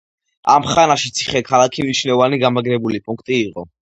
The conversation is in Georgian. ამ ხანაში ციხე-ქალაქი მნიშვნელოვანი გამაგრებული პუნქტი იყო.